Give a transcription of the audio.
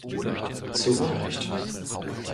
Zu Unrecht!